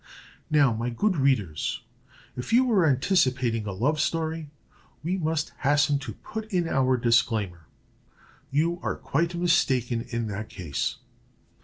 Now, my good readers, if you are anticipating a love story, we must hasten to put in our disclaimer; you are quite mistaken in the case.